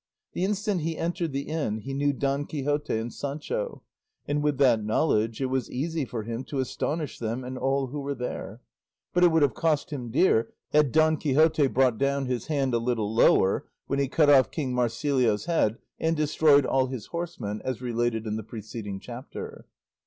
The instant he entered the inn he knew Don Quixote and Sancho, and with that knowledge it was easy for him to astonish them and all who were there; but it would have cost him dear had Don Quixote brought down his hand a little lower when he cut off King Marsilio's head and destroyed all his horsemen, as related in the preceeding chapter.